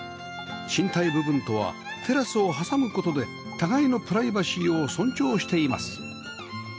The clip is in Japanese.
賃貸部分とはテラスを挟む事で互いのプライバシーを尊重しています